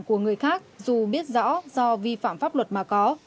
của người khác dù biết rõ do vi phạm pháp luật mà có